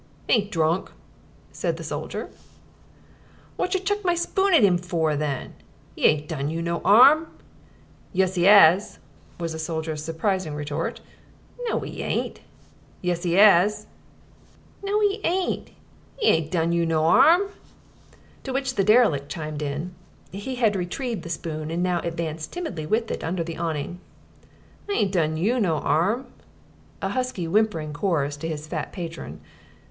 "Ain't drunk!" said the soldier. "Wotcher chuck my spoon at 'im for, then? 'E ain't done you no 'arm." "Yus 'e 'as," was the soldier's surprising retort. "No 'e ain't." "Yus 'e 'as." "No 'e 'ain't. 'E ain't done you no 'arm." To which the derelict chimed in (he had retrieved the spoon and now advanced timidly with it under the awning): "I ain't done you no 'arm" a husky, whimpering chorus to his fat patron.